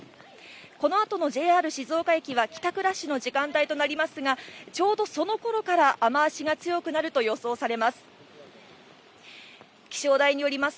このあとのＪＲ静岡駅は帰宅ラッシュの時間帯となりますが、ちょうどそのころから雨足が強くなると予想されます。